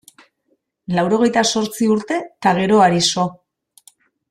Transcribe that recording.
Laurogehita zortzi urte eta geroari so.